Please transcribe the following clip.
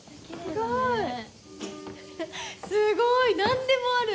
すごい何でもある。